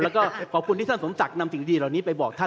แล้วก็ขอบคุณที่ท่านสมศักดิ์นำสิ่งดีเหล่านี้ไปบอกท่าน